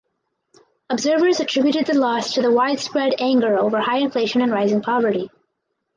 Observers attributed the loss to the widespread anger over high inflation and rising poverty.